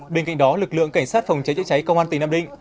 bên cạnh đó lực lượng cảnh sát phòng cháy chữa cháy công an tỉnh nam định